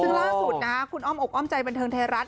ซึ่งล่าสุดคุณอ้อมออกอ้อมใจบรรเทิงเทรัส